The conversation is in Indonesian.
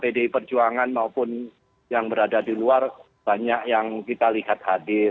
pdi perjuangan maupun yang berada di luar banyak yang kita lihat hadir